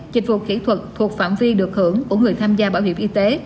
dịch vụ kỹ thuật thuộc phạm vi được hưởng của người tham gia bảo hiểm y tế